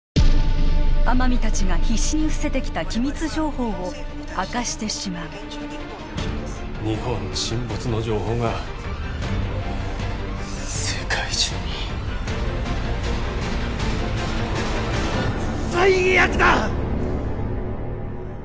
天海達が必死にふせてきた機密情報を明かしてしまう日本沈没の情報が世界中に最悪だ！